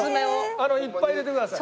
いっぱい入れてください。